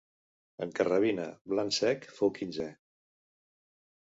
En carrabina, blanc cec fou quinzè.